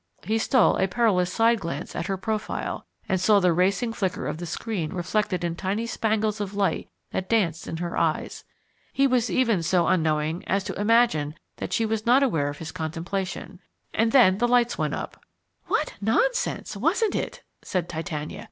He stole a perilous side glance at her profile, and saw the racing flicker of the screen reflected in tiny spangles of light that danced in her eyes. He was even so unknowing as to imagine that she was not aware of his contemplation. And then the lights went up. "What nonsense, wasn't it?" said Titania.